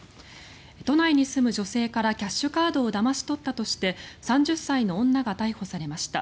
都内に住む女性からキャッシュカードをだまし取ったとして３０歳の女が逮捕されました。